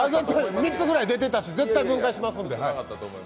３つぐらい出てたし、絶対分解しますんで。